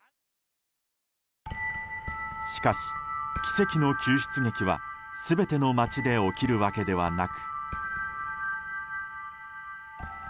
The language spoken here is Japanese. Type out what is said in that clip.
しかし、奇跡の救出劇は全ての町で起きるわけではなく。